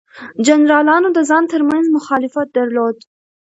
جنرالانو د ځان ترمنځ مخالفت درلود.